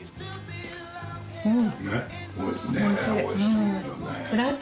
うん。